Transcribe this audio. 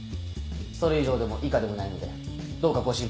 それ以上でも以下でもないのでどうかご心配なく。